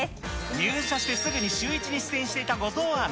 入社してすぐにシューイチに出演していた後藤アナ。